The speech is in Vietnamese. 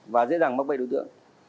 và dễ dàng mắc bây đối tượng